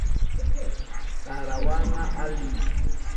Tarawana alim.